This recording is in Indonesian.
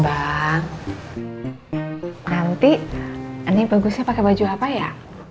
nanti ini bagusnya pakai baju apa ya